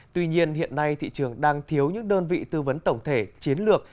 tuy nhiên hiện nay thị trường đang thiếu những đơn vị tư vấn tổng thể chiến lược